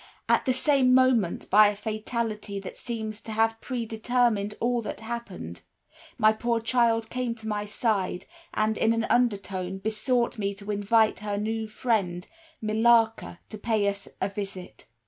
At the same moment, by a fatality that seems to have predetermined all that happened, my poor child came to my side, and, in an undertone, besought me to invite her new friend, Millarca, to pay us a visit.